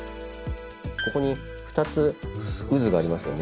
ここに２つ渦がありますよね。